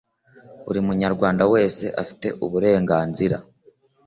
buri munyarwanda wese afite uburenganzira